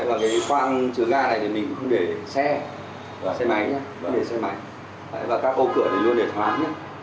và cái khoang chứa ga này mình cũng không để xe xe máy các ô cửa này luôn để thoáng